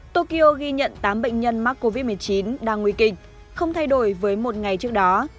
tokyo ghi nhận tám bệnh nhân mắc covid một mươi chín đang nguy kịch không thay đổi với một ngày trước đó